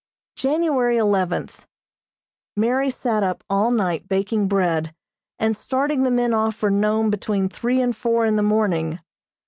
January eleventh: Mary sat up all night baking bread, and starting the men off for Nome between three and four in the morning.